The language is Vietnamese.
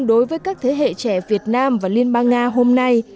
đối với các thế hệ trẻ việt nam và liên bang nga hôm nay